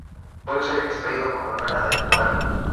Puede ser extraído como mena del uranio.